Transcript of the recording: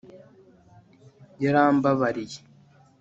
yarambabariye